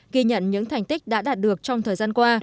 ghi nhận những thành tích đã đạt được trong thời gian qua